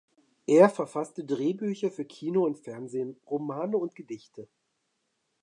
Er verfasste Drehbücher für Kino und Fernsehen, Romane und Gedichte.